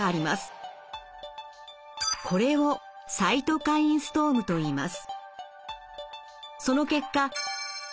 これをサイトカインストームと言います。